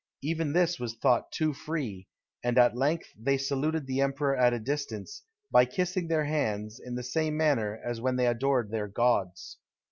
Even this was thought too free; and at length they saluted the emperor at a distance, by kissing their hands, in the same manner as when they adored their gods.